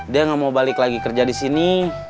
dia nggak mau balik lagi kerja di sini